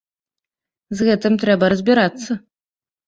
З гэтым трэба разбірацца.